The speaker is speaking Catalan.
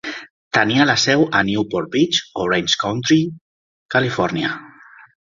Tenia la seu a Newport Beach, Orange County, Califòrnia.